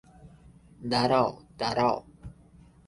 দাঁড়াও, দাঁড়াও।